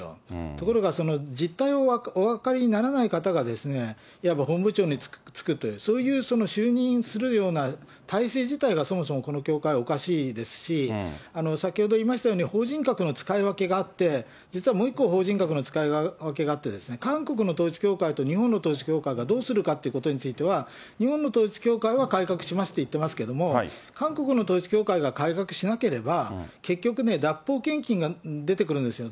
ところがその実態をお分かりにならない方が、いわば本部長に作って、そういう就任するような体制自体が、そもそもこの教会はおかしいですし、先ほど言いましたように法人格の使い分けがあって、実はもう一個、法人格の使い分けがありまして、韓国の統一教会と日本の統一教会がどうするかということについては、日本の統一教会は改革しますって言ってますけれども、韓国の統一教会が改革しなければ、結局ね、脱法献金が出てくるんですよ。